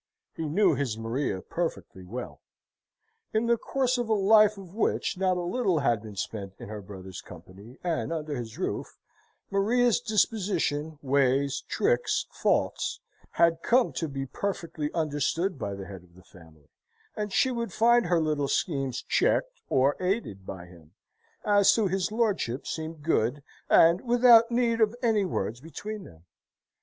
He knew his Maria perfectly well: in the course of a life of which not a little had been spent in her brother's company and under his roof, Maria's disposition, ways, tricks, faults, had come to be perfectly understood by the head of the family; and she would find her little schemes checked or aided by him, as to his lordship seemed good, and without need of any words between them.